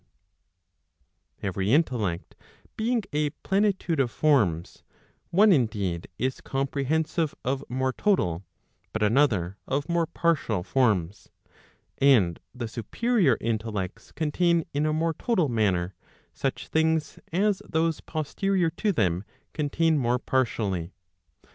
Every intellect being a plenitude of forms, one indeed, is comprehensive of more total, but another of more partial forms. And the superior intellects contain in a more total manner, such things as those posterior to them contain more partially.